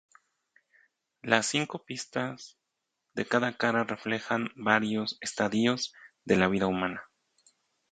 Las cinco pistas de cada cara reflejan varios estadios de la vida humana.